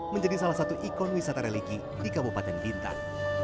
menjadi salah satu ikon wisata religi di kabupaten bintan